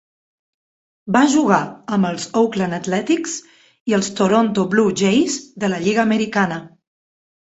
Va jugar amb els Oakland Athletics i els Toronto Blue Jays de la lliga americana.